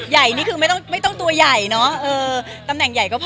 ใหญ่นี่คือไม่ต้องตัวใหญ่ตำแหน่งใหญ่ก็พอ